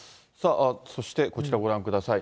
そしてこちらご覧ください。